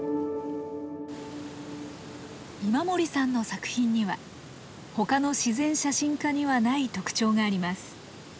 今森さんの作品には他の自然写真家にはない特徴があります。